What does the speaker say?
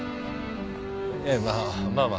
ええまあ。